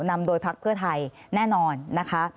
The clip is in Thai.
นำโดยพักเพื่อไทยแน่นอนนะคะ